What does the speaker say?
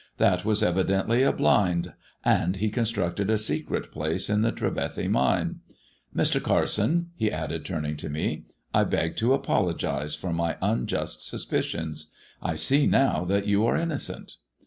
That was evidently a blind, and he constructed a secret place in the Trevethy Mine. Mr. Carson," he added, turning to me, " I beg to apologize for my unjust suspicions. I see now that you are innocent."